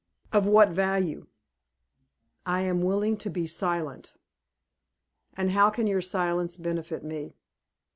"Of what value?" "I am willing to be silent." "And how can your silence benefit me?"